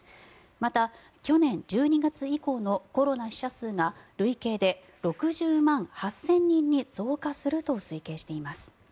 また、去年１２月以降のコロナ死者数が累計で６０万８０００人に増加すると推計しています。